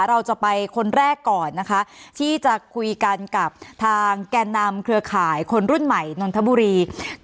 เราจะไปคนแรกก่อนนะคะที่จะคุยกันกับทางแก่นำเครือข่ายคนรุ่นใหม่นนทบุรี